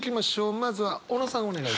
まずは小野さんお願いします。